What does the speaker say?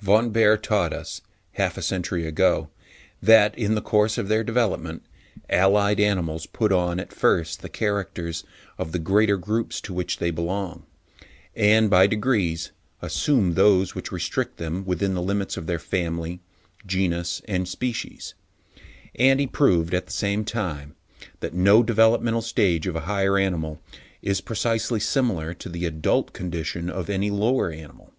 Von Baer taught us, half a century ago, that, in the course of their development, allied animals put on at first, the characters of the greater groups to which they belong, and, by degrees, assume those which restrict them within the limits of their family, genus, and species; and he proved, at the same time, that no developmental stage of a higher animal is precisely similar to the adult condition of any lower animal.